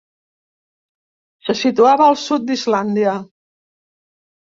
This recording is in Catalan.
Se situava al sud d'Islàndia.